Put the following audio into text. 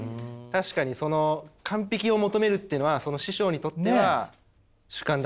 確かにその完璧を求めるっていうのは師匠にとっては主観だった。